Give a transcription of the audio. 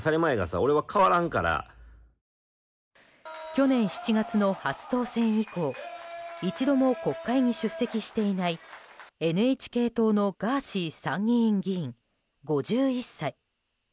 去年７月の初当選以降一度も国会に出席していないＮＨＫ党のガーシー参議院議員、５１歳。